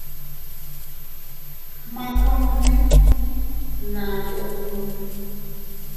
Gmakunni naa yunni.